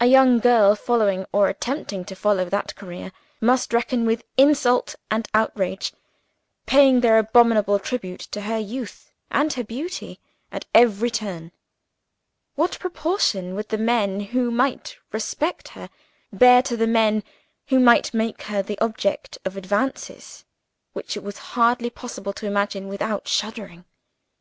A young girl following, or attempting to follow, that career, must reckon with insult and outrage paying their abominable tribute to her youth and her beauty, at every turn. What proportion would the men who might respect her bear to the men who might make her the object of advances, which it was hardly possible to imagine without shuddering.